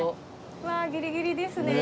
わあギリギリですね。